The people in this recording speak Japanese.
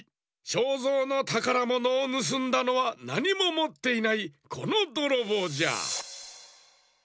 ショーゾーのたからものをぬすんだのはなにももっていないこのどろぼうじゃ。